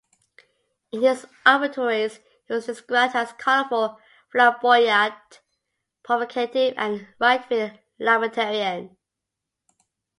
In his obituaries, he was described as "colourful", "flamboyant", "provocative" and a "right-wing libertarian".